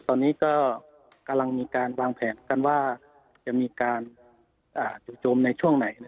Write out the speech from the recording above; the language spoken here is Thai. ตอนนี้ก็กำลังมีการวางแผนกันว่าจะมีการจู่โจมในช่วงไหน